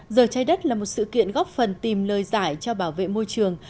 giờ trái đất là một sự kiện góp phần tìm lời giải cho bảo vệ môi trường